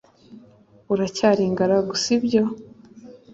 Uracyari ingaragu si byo